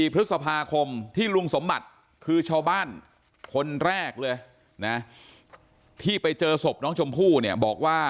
พฤษภาคมที่ลุงสมบัติคือชาวบ้านคนแรกเลยนะที่ไปเจอศพน้องชมพู่เนี่ยบอกว่า